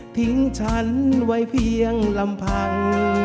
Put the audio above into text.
ทิ้งฉันไว้เพียงลำพัง